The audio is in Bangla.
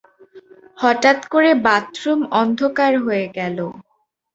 হঠাৎ করে বাথরুম অন্ধকার হয়ে গেল।